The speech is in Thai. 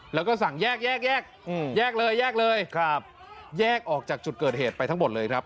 แล้วก็สั่งแยกแยกแยกเลยแยกเลยครับแยกออกจากจุดเกิดเหตุไปทั้งหมดเลยครับ